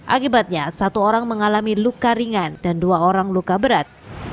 akibatnya satu orang mengalami luka ringan dan dua orang luka berat